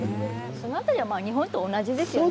その辺り日本と同じですよね。